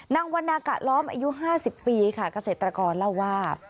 นางวันนากะล้อมอายุห้าสิบปีค่ะกระเศษตรกรเล่าว่า